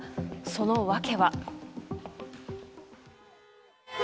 その訳は。